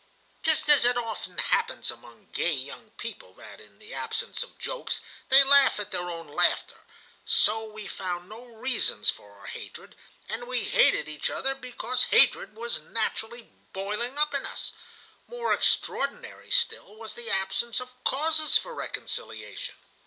"Just as it often happens among gay young people that, in the absence of jokes, they laugh at their own laughter, so we found no reasons for our hatred, and we hated each other because hatred was naturally boiling up in us. More extraordinary still was the absence of causes for reconciliation.